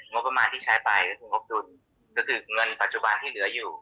งบประมาณที่ใช้ไปก็คืองบดุลก็คือเงินปัจจุบันที่เหลืออยู่